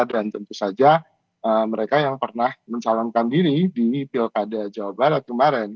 dan tentu saja mereka yang pernah mensalamkan diri di pilkada jawa barat kemarin